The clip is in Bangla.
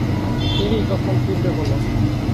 বেবি, কখন ফিরবে বলো।